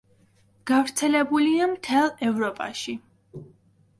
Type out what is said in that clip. გავრცელებულია მთელ ევროპაში.